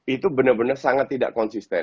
itu bener bener sangat tidak konsisten